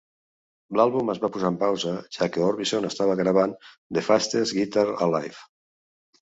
L'àlbum es va posar en pausa, ja que Orbison estava gravant "The Fastest Guitar Alive".